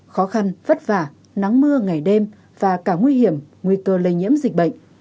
khó khăn vất vả nắng mưa ngày đêm và cả nguy hiểm nguy cơ lây nhiễm dịch bệnh